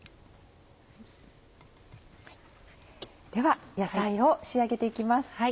では野菜を仕上げて行きます。